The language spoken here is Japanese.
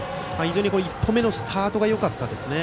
１歩目のスタートがよかったですね。